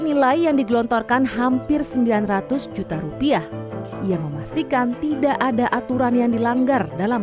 nilai yang digelontorkan hampir sembilan ratus juta rupiah ia memastikan tidak ada aturan yang dilanggar dalam